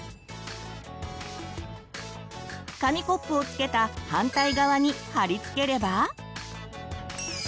紙コップをつけた反対側に貼り付ければ。